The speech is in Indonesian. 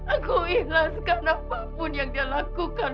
aku ikhlaskan apapun yang dia lakukan